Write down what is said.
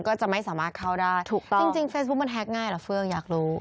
ก็จะไม่สามารถเข้าได้ถูกต้องจริงเฟซบุ๊คมันแก๊กง่ายเหรอเฟืองอยากรู้